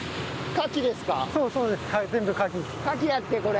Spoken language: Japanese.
カキだってこれ。